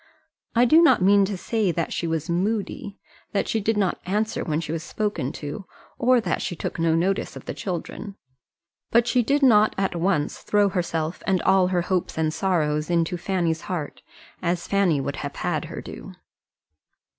I do not mean to say that she was moody, that she did not answer when she was spoken to, or that she took no notice of the children; but she did not at once throw herself and all her hopes and sorrows into Fanny's heart, as Fanny would have had her do.